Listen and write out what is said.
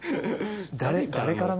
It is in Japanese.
誰からの？